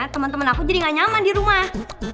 temen temen aku jadi gak nyaman di rumah